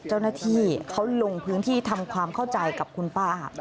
เจ้าหน้าที่เขาลงพื้นที่ทำความเข้าใจกับคุณป้า